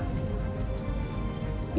seringan itu anda bicara